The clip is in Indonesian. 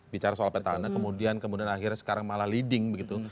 bicara soal petahana kemudian kemudian akhirnya sekarang malah leading begitu